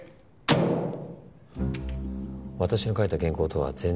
私の書いた原稿とは全然。